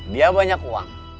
dia banyak uang